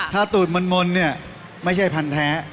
ถ้าตูดมนต์เนี่ยไม่ใช่พันธุ์แท้